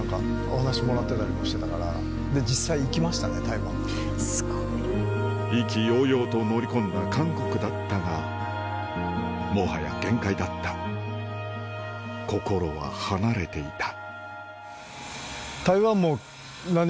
韓国に渡り５年岐路に立っていた意気揚々と乗り込んだ韓国だったがもはや限界だった心は離れていた